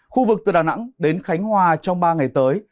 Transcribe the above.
khu vực từ đà nẵng đến khánh hòa trong ba ngày tới